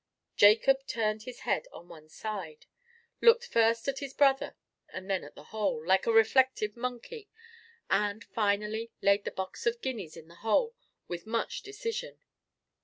Jacob turned his head on one side, looked first at his brother and then at the hole, like a reflective monkey, and, finally, laid the box of guineas in the hole with much decision.